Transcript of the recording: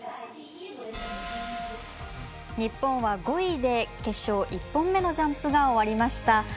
日本は５位で決勝１本目のジャンプが終わりました。